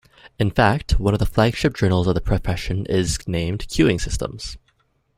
In fact, one of the flagship journals of the profession is named "Queueing Systems".